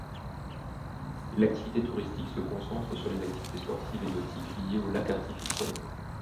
L'activité touristique se concentre sur les activités sportives et nautiques liées au lac artificiel.